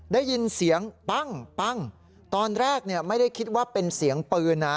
ได้ยินเสียงปั้งตอนแรกไม่ได้คิดว่าเป็นเสียงปืน